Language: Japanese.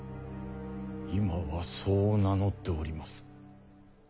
今はそう名乗っております。